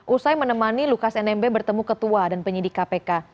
usai menemani lukas nmb bertemu ketua dan penyidik kpk